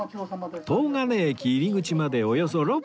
東金駅入口までおよそ６分